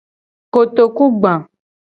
Kotokugba.